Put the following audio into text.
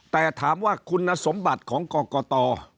แต่ถามว่าคุณสมบัติของกรกต